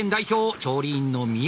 調理員の三好。